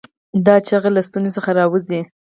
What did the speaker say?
دا چیغه له ستونې څخه راووځي.